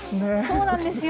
そうなんですよ。